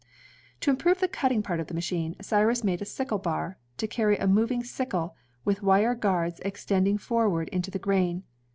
To improve the cutting part of the machine, Cyrus made a sickle bar, to carry a moving sickle, with wire guards extending forward into the grain.